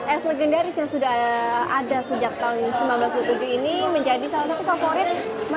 es legendaris yang sudah ada sejak tahun seribu sembilan ratus sembilan puluh tujuh ini menjadi salah satu favorit masyarakat